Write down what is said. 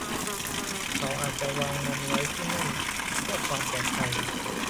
เขาอาจจะวางมันไว้ที่นั่นเพื่อความปลอดภัย